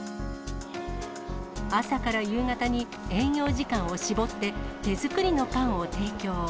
朝から夕方に営業時間を絞って、手作りのパンを提供。